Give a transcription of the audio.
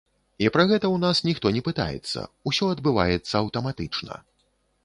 І пра гэта ў нас ніхто не пытаецца, усё адбываецца аўтаматычна.